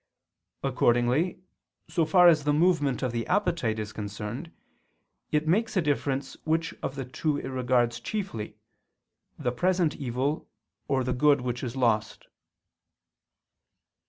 Accordingly, so far as the movement of the appetite is concerned, it makes a difference which of the two it regards chiefly, the present evil or the good which is lost.